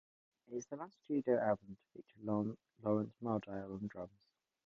It is the last studio album to feature Lance Morrill on drums.